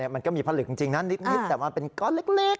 มันก็มีผลึกจริงนะนิดแต่มันเป็นก้อนเล็ก